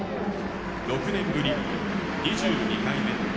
６年ぶり２２回目。